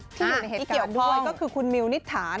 ที่อยู่ในเหตุการณ์ด้วยก็คือคุณมิวนิฑฐาน